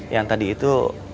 yang tadi itu